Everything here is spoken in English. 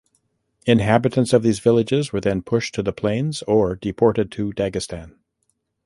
Inhabitants of these villages were then pushed to the planes or deported to Dagestan.